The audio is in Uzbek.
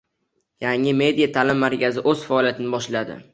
“Yangi media ta’lim markazi” o‘z faoliyatini boshlaydi